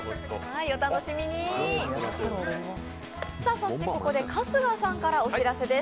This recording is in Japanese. そしてここで春日さんからお知らせです。